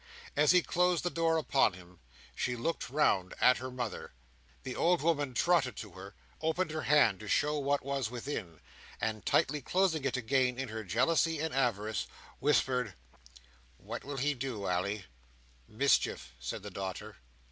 As he closed the door behind him, she looked round at her mother. The old woman trotted to her; opened her hand to show what was within; and, tightly closing it again in her jealousy and avarice, whispered: "What will he do, Ally?" "Mischief," said the daughter.